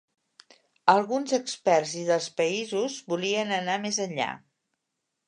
Alguns experts i dels països volien anar més enllà.